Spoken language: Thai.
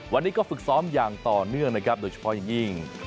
วันนี้ก็ฝึกซ้อมอย่างต่อเนื่องนะครับโดยเฉพาะอย่างยิ่ง